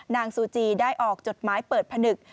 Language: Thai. ซูจีได้ออกจดหมายเปิดผนึก